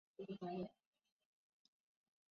它们分布在群岛的所有岛屿上。